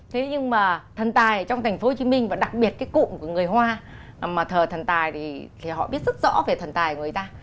thế nhưng mà thần tài trong thành phố hồ chí minh và đặc biệt cái cụm của người hoa mà thờ thần tài thì họ biết rất rõ về thần tài người ta